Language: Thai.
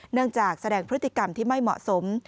เนื่องจากแสดงพฤติกรรมที่ไม่เหมาะสม